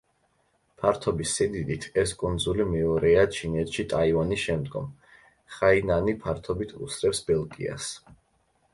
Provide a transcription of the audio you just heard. ფართობის სიდიდით ეს კუნძული მეორეა ჩინეთში ტაივანის შემდგომ, ხაინანი ფართობით უსწრებს ბელგიას.